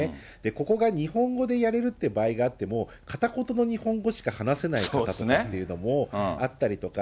ここが日本語でやれるっていう場合があっても、かたことの日本語しか話せない方とかっていうのもあったりとか。